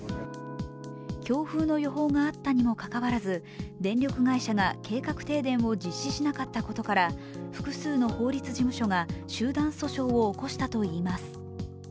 強風の予報があったにもかかわらず電力会社が計画停電を実施しなかったことから複数の法律事務所が集団訴訟を起こしたといいます。